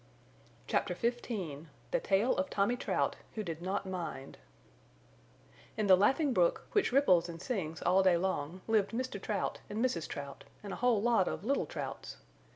CHAPTER XV THE TAIL OF TOMMY TROUT WHO DID NOT MIND In the Laughing Brook, which rippled and sings all day long, lived Mr. Trout and Mrs. Trout, and a whole lot of little Trouts.